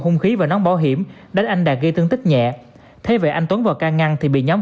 hung khí và nón bảo hiểm đánh anh đạt gây thương tích nhẹ thế vậy anh tuấn vào can ngăn thì bị nhóm